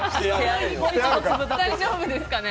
大丈夫ですかね。